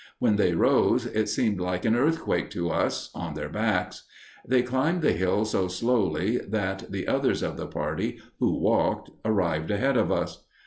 When they rose, it seemed like an earthquake to us on their backs. They climbed the hill so slowly that the others of the party who walked arrived ahead of us.